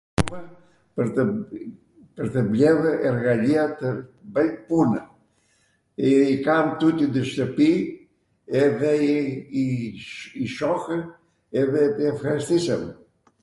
pwr tw blerw erghaliat tw bwj punw. i kam tuti ndw shtwpi edhe i shohw edhe efharistisem